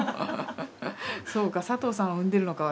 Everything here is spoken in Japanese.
そうか佐藤さんを産んでるのか